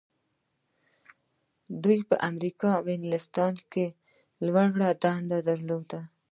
دوی په امریکا او انګلستان کې لوړې دندې لري.